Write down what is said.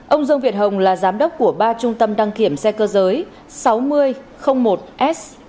ông dương việt hồng là giám đốc của ba trung tâm đăng kiểm xe cơ giới sáu nghìn một s